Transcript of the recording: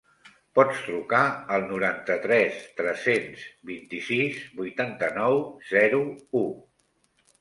Pots trucar al noranta-tres tres-cents vint-i-sis vuitanta-nou zero u.